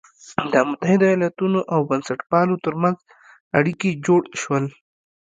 د متحدو ایالتونو او بنسټپالو تر منځ اړیکي جوړ شول.